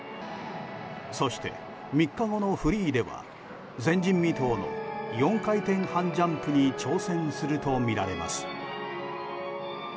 そして、３日後のフリーでは前人未到の４回転半ジャンプに挑戦するとみられます。